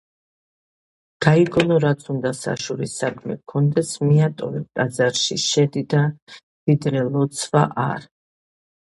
გაიგონო რაც უნდა საშური საქმე გქონდეს მიატოვე ტაძარში შედი და ვიდრე ლოცვა არ